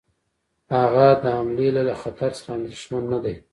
هغه د حملې له خطر څخه اندېښمن نه دی.